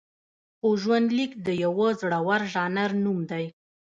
خو ژوندلیک د یوه زړور ژانر نوم دی.